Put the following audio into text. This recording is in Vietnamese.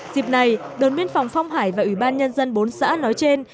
dịp này đồn biên phòng phong hải và ủy ban nhân dân bốn xã nói trên